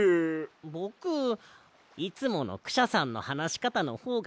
ぼくいつものクシャさんのはなしかたのほうがすきだな。